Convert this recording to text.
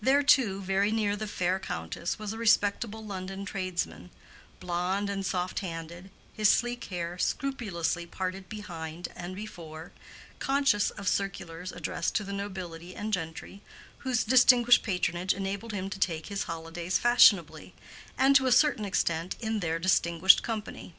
There too, very near the fair countess, was a respectable London tradesman, blonde and soft handed, his sleek hair scrupulously parted behind and before, conscious of circulars addressed to the nobility and gentry, whose distinguished patronage enabled him to take his holidays fashionably, and to a certain extent in their distinguished company.